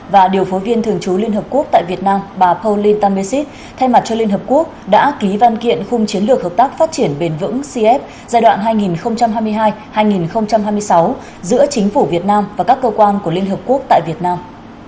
và điều phối viên thường trú liên hợp quốc tại việt nam bà polyntamesit thay mặt cho liên hợp quốc đã ký văn kiện khung chiến lược hợp tác phát triển bền vững cf giai đoạn hai nghìn hai mươi hai hai nghìn hai mươi sáu giữa chính phủ việt nam và các cơ quan của liên hợp quốc tại việt nam